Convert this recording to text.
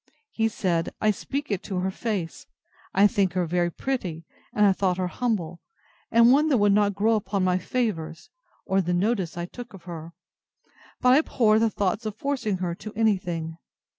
He said, I speak it to her face, I think her very pretty, and I thought her humble, and one that would not grow upon my favours, or the notice I took of her; but I abhor the thoughts of forcing her to any thing.